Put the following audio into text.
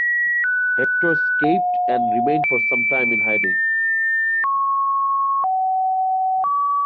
Hector escaped and remained for some time in hiding.